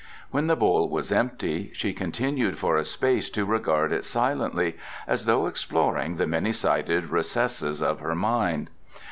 When the bowl was empty she continued for a space to regard it silently, as though exploring the many sided recesses of her mind.